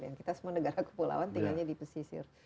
yang kita semua negara kepulauan tinggalnya di pesisir